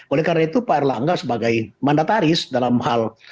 oleh karena itu pak erlangga sebagai mandataris dalam hal